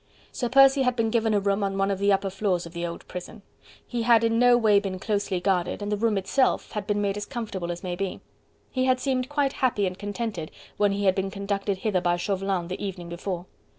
Sir Percy had been given a room on one of the upper floors of the old prison. He had in no way been closely guarded, and the room itself had been made as comfortable as may be. He had seemed quite happy and contented when he had been conducted hither by Chauvelin, the evening before.